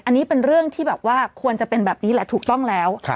อันนี้เป็นเรื่องที่แบบว่าควรจะเป็นแบบนี้แหละถูกต้องแล้ว